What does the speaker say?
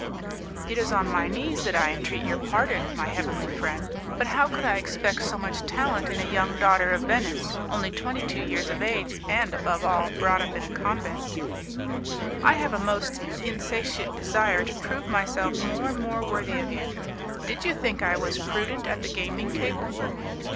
"It is on my knees that I entreat your pardon, my heavenly friend, but how could I expect so much talent in a young daughter of Venice, only twenty two years of age, and, above all, brought up in a convent?" "I have a most insatiate desire to prove myself more and more worthy of you. Did you think I was prudent at the gaming table?"